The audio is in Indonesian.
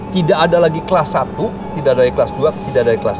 tidak ada lagi kelas satu tidak ada kelas dua tidak ada kelas tiga